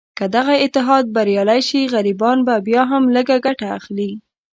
که دغه اتحاد بریالی شي، غریبان بیا هم لږه ګټه اخلي.